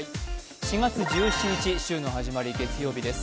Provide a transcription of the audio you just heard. ４月１７日、週の始まり月曜日です。